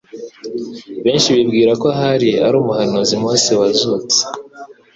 benshi bibwira ko ahari ari umuhanuzi Mose wazutse;